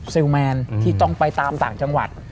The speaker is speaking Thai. แมนที่ต้องไปตามต่างจังหวัด